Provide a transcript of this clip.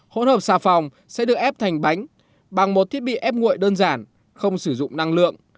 hỗn hợp xà phòng sẽ được ép thành bánh bằng một thiết bị ép nguội đơn giản không sử dụng năng lượng